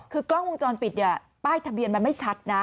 คือกล้องวงจรปิดเนี่ยป้ายทะเบียนมันไม่ชัดนะ